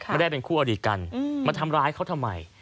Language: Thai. ไม่ได้เป็นคู่อดีตกันมาทำร้ายเขาทำไม